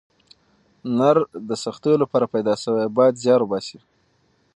نر د سختیو لپاره پیدا سوی او باید زیار وباسئ.